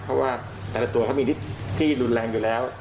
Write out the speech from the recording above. เพราะว่าแต่ละตัวเขามีนิดที่รุนแรงอยู่แล้ว